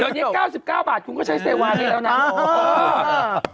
เดี๋ยวเย็น๙๙บาทคุณก็ใช้เซวาะนี่แล้วนะ